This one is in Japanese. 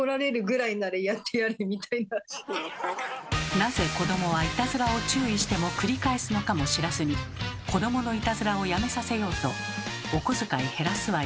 なぜ子どもはいたずらを注意しても繰り返すのかも知らずに子どものいたずらをやめさせようと「お小遣い減らすわよ」